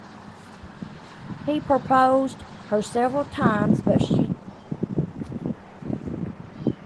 He proposed her several times but she rejected every time.